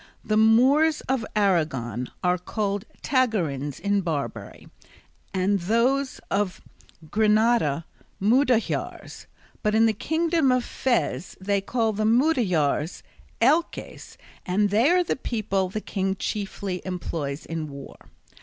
The Moors of Aragon are called Tagarins in Barbary, and those of Granada Mudejars; but in the Kingdom of Fez they call the Mudejars Elches, and they are the people the king chiefly employs in war.